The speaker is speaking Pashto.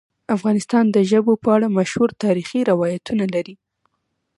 افغانستان د ژبو په اړه مشهور تاریخی روایتونه لري.